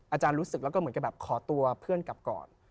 อาจารย์รู้สึกแล้วก็เหมือนกับแบบขอตัวเพื่อนกลับก่อน